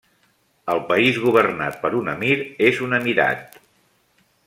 El país governat per un emir és un emirat.